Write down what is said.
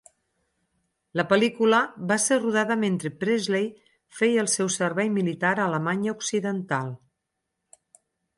La pel·lícula va ser rodada mentre Presley feia el seu servei militar a Alemanya Occidental.